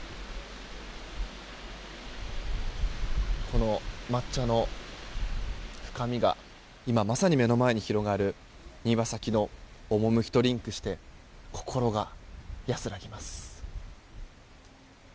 この抹茶の深みが今まさに目の前に広がる庭先の趣とリンクして心が安らぎます。